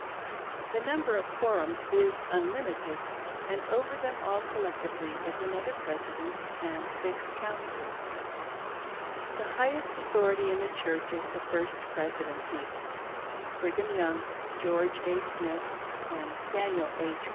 The number of "quorums" is unlimited ; and over them all collectively is another presi , dent and six counsellors. The highest authority in the Church is the " First Presi dency"— the three members of which at present are Brigham Young, George A. Smith, and Daniel H.